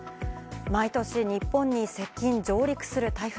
毎年、日本に接近、上陸する台風。